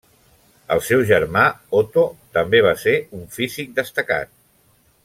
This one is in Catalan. El seu germà, Otto, també va ser un físic destacat.